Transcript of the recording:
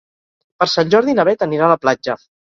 Per Sant Jordi na Bet anirà a la platja.